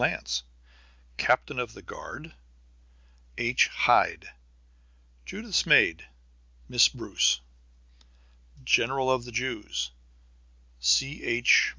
Lance Captain of the Guards H. Hyde Judith's maid Miss Bruce General of the Jews C.H.